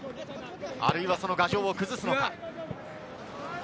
あるいはその牙城を崩すのか。